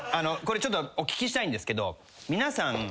ちょっとお聞きしたいんですけど皆さん。